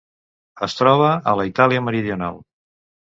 Es troba a la Itàlia meridional.